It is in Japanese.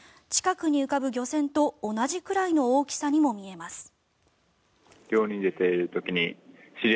近くに浮かぶ漁船と同じくらいの大きさにも見えます。